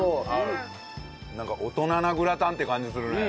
なんか大人なグラタンって感じするね。